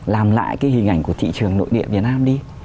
làm lại cái hình ảnh của thị trường nội địa việt nam đi